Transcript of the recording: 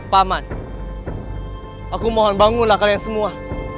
paman aku mohon bangunlah kalian semua